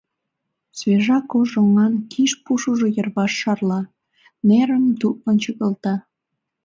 Свежа кож оҥан киш пушыжо йырваш шарла, нерым тутлын чыгылта.